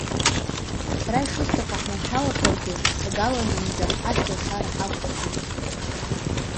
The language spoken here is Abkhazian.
Сара ишысҭаху ҳманшәалахаргьы, ҭагаланынӡа Ашәлашара ҳақәҵӡом.